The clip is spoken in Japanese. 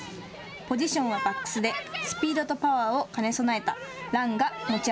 ポジションはバックスでスピードとパワーを兼ね備えたランが持ち